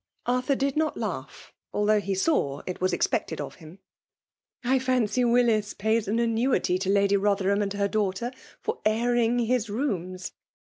Arthur did not laugh, though he saw it was expected of him. " I fancy Willis pays an annuity to Lady Bothcrham and her daughter for airing his rooms.